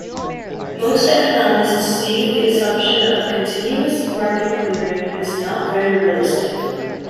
Most economists see the assumption of "continuous" market clearing as not very realistic.